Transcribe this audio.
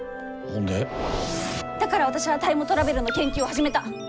だから私はタイムトラベルの研究を始めた。